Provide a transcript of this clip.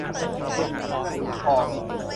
ถุงเงินถุงทอง